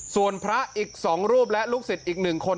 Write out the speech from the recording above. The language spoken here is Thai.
ส่วนพระอีก๒รูปและลูกศิษย์อีก๑คน